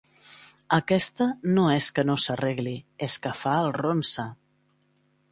Aquesta no és que no s'arregli, és que fa el ronsa.